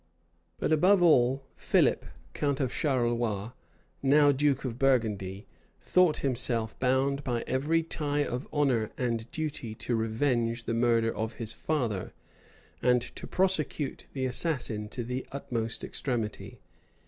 But above all, Philip, count of Charolois, now duke of Burgundy, thought himself bound by every tie of honor and of duty to revenge the murder of his father, and to prosecute the assassin to the utmost extremity.